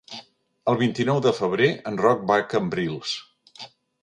El vint-i-nou de febrer en Roc va a Cambrils.